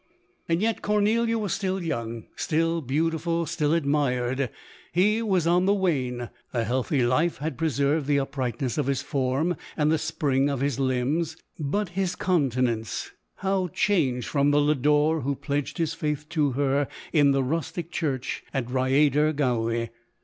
And yet Cornelia was still young, still beau tiful, still admired : he was on the wane — a healthy life had preserved the uprightness of his form and the spring of his limbs; but his countenance, how changed from the Lodore who pledged his faith to her in the rustic church at Rhyaider Gowy